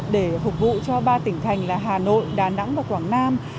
để phục vụ cho ba tỉnh thành là hà nội đà nẵng và quảng nam